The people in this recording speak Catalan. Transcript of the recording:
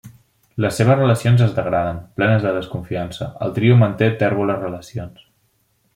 Les seves relacions es degraden, plenes de desconfiança; el trio manté tèrboles relacions.